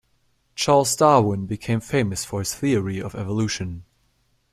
Charles Darwin became famous for his theory of evolution.